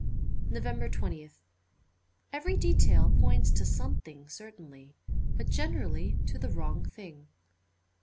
359 NOVEMBER 20th EVERY detail points to something, certainly, but generally to the wrong thing.